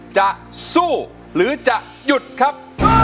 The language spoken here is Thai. จะสู้หรือจะหยุดครับ